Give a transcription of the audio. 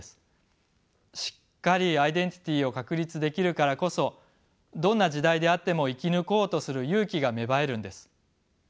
しっかりアイデンティティーを確立できるからこそどんな時代であっても生き抜こうとする勇気が芽生えるんです。